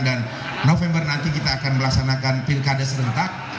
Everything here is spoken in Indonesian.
dan november nanti kita akan melaksanakan pilkada serentak